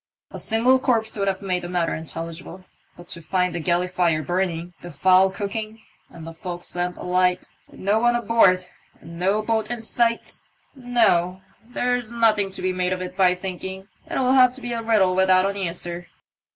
"A single corpse would have made the matter intelligible; but to find the galley fire burning, the fowl cooking, the fo'ksle lamp alight, and no one aboard, and no boat in sight — No ! there's nothing to be made of it by thinking. It'll have to be a riddle without an answer."